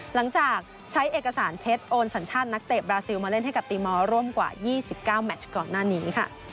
หลังจากใช้เอกสารเพชรโอนสัญชาตินักเตะบราซิลมาเล่นให้กับตีมอลร่วมกว่า๒๙แมชก่อนหน้านี้ค่ะ